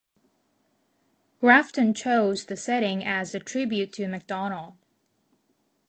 Grafton chose the setting as a tribute to Macdonald.